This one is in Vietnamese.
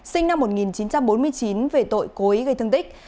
sinh năm một nghìn chín trăm bốn mươi chín về tội cố ý gây thương tích